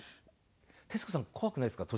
徹子さん怖くないですか？